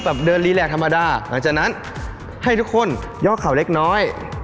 แบบเดินรีแลกธรรมดาหลังจากนั้นให้ทุกคนยอกเขาเล็กน้อย